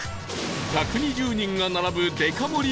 １２０人が並ぶデカ盛り